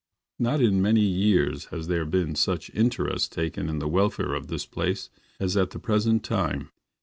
Not in many years has there been such interest taken in the welfare of this place as at the present time.